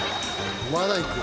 「まだいく？」